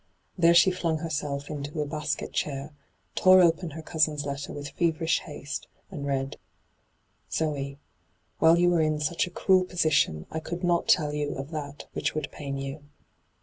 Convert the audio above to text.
There she flung herself into a basket chair, tore open her cousin's letter with feverish haste, and read : 'ZoB, ' While you were in such a cruel posi tion, I could not tell you of that which would pain you.